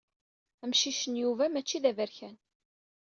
Amcic n Yuba mačči d aberkan.